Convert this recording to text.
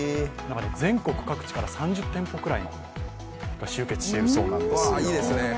全国各地から３０店舗ぐらいが集結しているそうなんです。